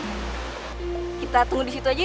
coba kita tunggu di situ aja yuk